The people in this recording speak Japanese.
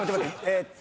えーっと。